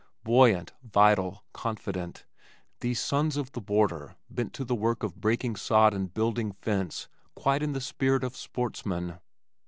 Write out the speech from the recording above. Buoyant, vital, confident, these sons of the border bent to the work of breaking sod and building fence quite in the spirit of sportsmen.